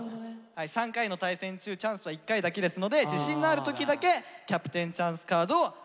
３回の対戦中チャンスは１回だけですので自信のある時だけキャプテンチャンスカードをあげて下さい。